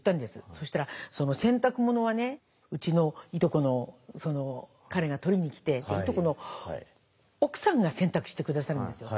そしたら洗濯物はねうちのいとこのその彼が取りに来ていとこの奥さんが洗濯して下さるんですよ。